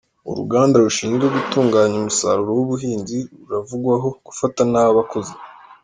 Uruganda rushinzwe gutunganya umusaruro wubuhinzi ruravugwaho gufata nabi abakozi